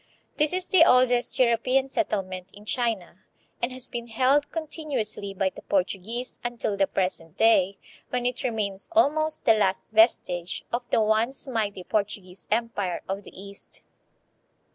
This is the oldest European settlement in China and has been held continuously by the Portuguese until the present day, when it remains almost the last vestige of the once mighty Portuguese empire of the East.